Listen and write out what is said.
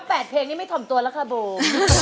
๘เพลงนี้ไม่ถ่อมตัวแล้วค่ะโบ